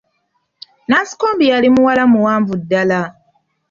Nansikombi yali muwala muwaanvu ddala.